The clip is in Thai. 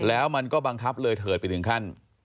แล้วมันก็บังคับเลยเถิดไปถึงขั้น